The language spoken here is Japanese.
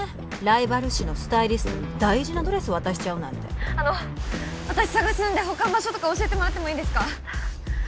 ライバル誌のスタイリストに大事なドレス渡しちゃうなんてあの私捜すんで保管場所とか教えてもらってもいいですか？